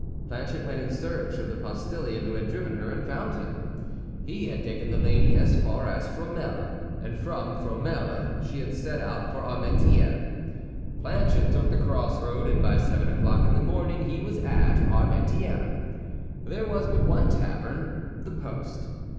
Planchet went in search of the postillion who had driven her, and found him. He had taken the lady as far as Fromelles; and from Fromelles she had set out for Armentières. Planchet took the crossroad, and by seven o'clock in the morning he was at Armentières. There was but one tavern, the Post.